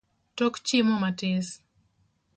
Tok chiemo matis